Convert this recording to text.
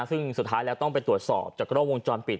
ซึ่งสุดท้ายแล้วต้องไปตรวจสอบจากกล้องวงจรปิด